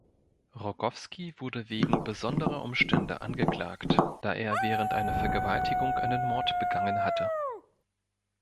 Rogowski wurde wegen „besonderer Umstände“ angeklagt, da er während einer Vergewaltigung einen Mord begangen hatte.